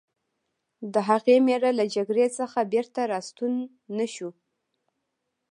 د هغې مېړه له جګړې څخه بېرته راستون نه شو